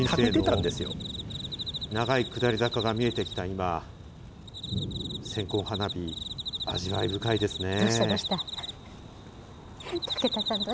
人生の長い下り坂が見えてきた今、線香花火、味わい深いですね。